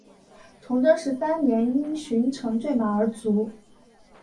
崇祯十三年因巡城坠马而卒。